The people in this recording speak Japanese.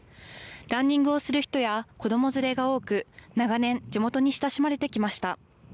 ランニングをする人や子供づれが多く長年地元に親しまれてきました。